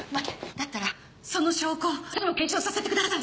だったらその証拠を私にも検証させてください。